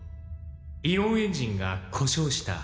イオンエンジンが故障した。